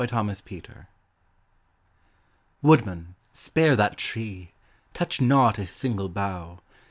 [See Notes] Woodman, spare that tree! Touch not a single bough!